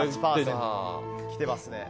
きてますね。